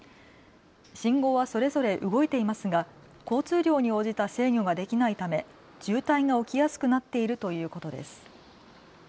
信号はそれぞれ動いていますが交通量に応じた制御ができないため渋滞が起きやすくなっているということです。